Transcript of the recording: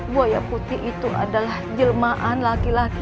buaya putih itu adalah jelmaan laki laki